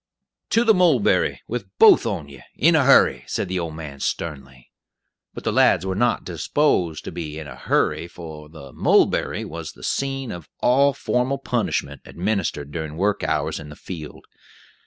"To the 'mulberry' with both on ye, in a hurry," said the old man sternly. But the lads were not disposed to be in a "hurry," for the "mulberry" was the scene of all formal punishment administered during work hours in the field.